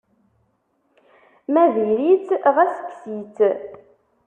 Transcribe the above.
Ma diri-tt, ɣas kkes-itt.